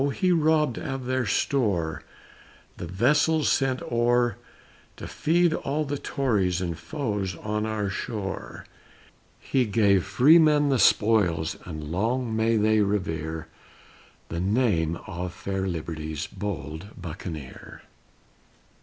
he robbed of their store The vessels sent o'er To feed all the Tories and foes on our shore, He gave freemen the spoils and long may they revere The name of fair Liberty's bold Buccaneer.